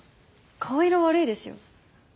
顔色悪いですよ。